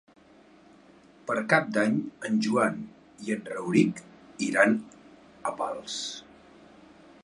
Per Cap d'Any en Joan i en Rauric iran a Pals.